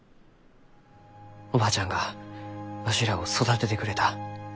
おばあちゃんがわしらを育ててくれた。